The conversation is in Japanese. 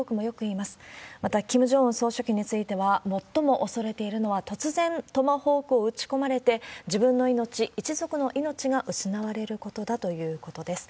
また、キム・ジョンウン総書記については、最も恐れているのは、突然トマホークを撃ち込まれて、自分の命、一族の命が失われることだということです。